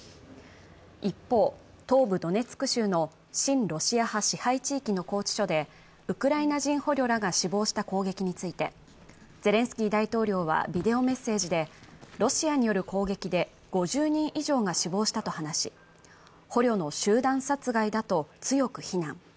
一方、東部ドネツク州の親ロシア派支配地域の拘置所でウクライナ人捕虜らが死亡した攻撃について、ゼレンスキー大統領は、ビデオメッセージで、ロシアによる攻撃で５０人以上が死亡したと話し、捕虜の集団殺害だと強く非難。